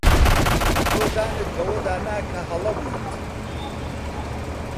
تۆ دانت بەوەدا نا کە هەڵە بوویت.